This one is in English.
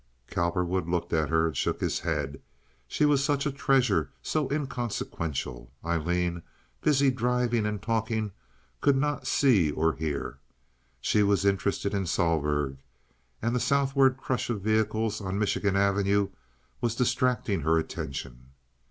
Cowperwood looked at her and shook his head. She was such a treasure—so inconsequential. Aileen, busy driving and talking, could not see or hear. She was interested in Sohlberg, and the southward crush of vehicles on Michigan Avenue was distracting her attention.